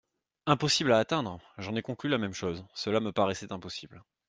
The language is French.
Impossible à atteindre ! J’en ai conclu la même chose, cela me paraissait impossible.